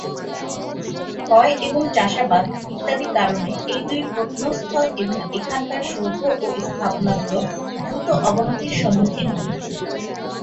ক্ষয় এবং চাষাবাদ ইত্যাদি কারণে এই দুই প্রত্নস্থল এবং এখানকার সৌধ ও স্থাপনা গুলো দ্রুত অবনতির সম্মুখীন হচ্ছে।